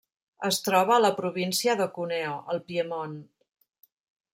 Es troba a la província de Cuneo, al Piemont.